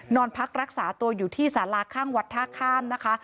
นอนพักรักษาตัวอยู่ที่สาราข้างวัดท่าข้ามนะคะ